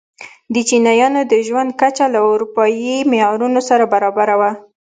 د چینایانو د ژوند کچه له اروپايي معیارونو سره برابره وه.